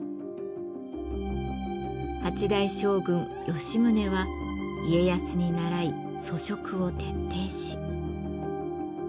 ８代将軍吉宗は家康に倣い粗食を徹底し。